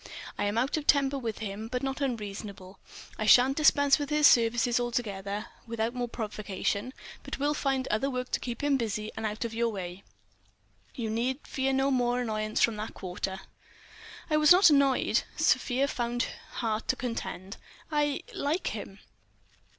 I am out of temper with him, but not unreasonable; I shan't dispense with his services altogether, without more provocation, but will find other work to keep him busy and out of your way. You need fear no more annoyance from that quarter." "I was not annoyed," Sofia found heart to contend. "I—like him."